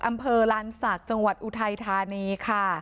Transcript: อำเภอลานศักดิ์จังหวัดอุทัยธานีค่ะ